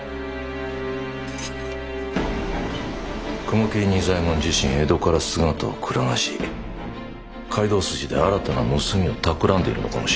雲霧仁左衛門自身江戸から姿をくらまし街道筋で新たな盗みをたくらんでるのかもしれぬ。